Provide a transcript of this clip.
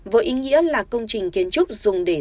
với ý nghĩa là công trình kiến trúc dùng để